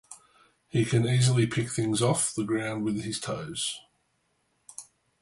He can easily pick things off the ground with his toes.